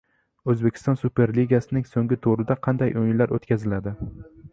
O‘zbekiston Superligasining so‘nggi turida qanday o‘yinlar o‘tkaziladi?